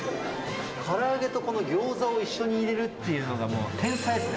から揚げとギョーザを一緒に入れるっていうのが、もう天才ですね。